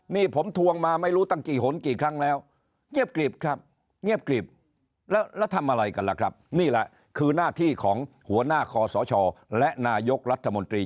นี่แหละคือหน้าที่ของหัวหน้าคอสชและนายกรัฐมนตรี